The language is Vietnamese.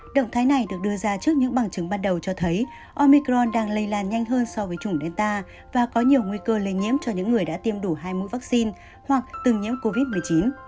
động thái này được đưa ra trước những bằng chứng ban đầu cho thấy omicron đang lây lan nhanh hơn so với chủngel ta và có nhiều nguy cơ lây nhiễm cho những người đã tiêm đủ hai mũi vaccine hoặc từng nhiễm covid một mươi chín